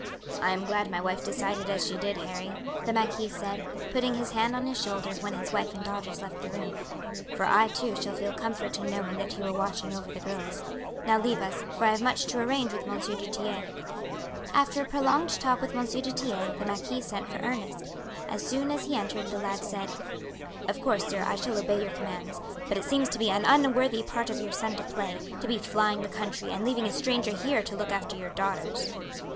"I am glad my wife decided as she did, Harry," the marquis said, putting his hand on his shoulder when his wife and daughters left the room, "for I too shall feel comfort in knowing that you are watching over the girls. Now leave us, for I have much to arrange with Monsieur du Tillet." After a prolonged talk with M. du Tillet the marquis sent for Ernest. As soon as he entered the lad said: "Of course, sir, I shall obey your commands; but it seems to me an unworthy part for your son to play, to be flying the country and leaving a stranger here to look after your daughters."